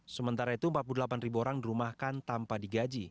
sementara itu empat puluh delapan ribu orang dirumahkan tanpa digaji